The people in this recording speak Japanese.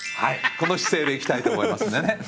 この姿勢でいきたいと思います。